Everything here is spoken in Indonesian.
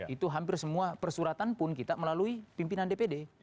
itu hampir semua persuratan pun kita melalui pimpinan dpd